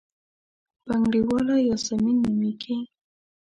بنګړیواله یاسمین نومېږي.